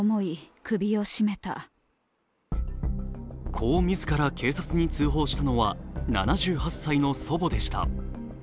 こう自ら警察に通報したのは、７８歳の祖母でした。